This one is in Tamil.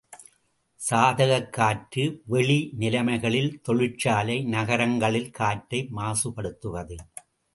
சாதகக் காற்று வெளி நிலைமைகளில் தொழிற்சாலை நகரங்களில் காற்றை மாசுப்படுத்துவது.